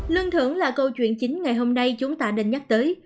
lương thưởng là câu chuyện chính ngày hôm nay chúng ta đừng nhắc tới